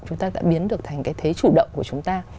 chúng ta đã biến được thành cái thế chủ động của chúng ta